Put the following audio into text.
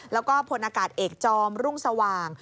แล้วก็พลอากาศเอกจอมรุ่งสว่าง